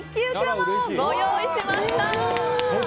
まんをご用意しました！